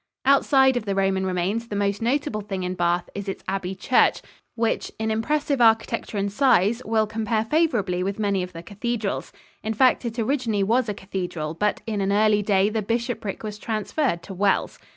Outside of the Roman remains the most notable thing in Bath is its abbey church, which, in impressive architecture and size, will compare favorably with many of the cathedrals. In fact, it originally was a cathedral, but in an early day the bishopric was transferred to Wells.